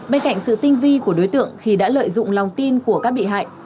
bên cạnh sự tinh vi của đối tượng khi đã lợi dụng lòng tin của các bị hại